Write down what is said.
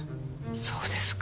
そうですか。